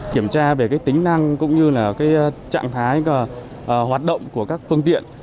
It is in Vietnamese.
kiểm tra về tính năng cũng như trạng thái hoạt động của các phương tiện